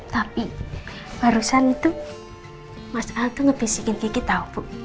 tapi barusan itu mas am tuh ngebisikin kiki tau bu